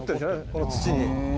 この土に。